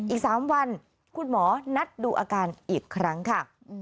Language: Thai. อีก๓วันคุณหมอนัดดูอาการอีกครั้งค่ะ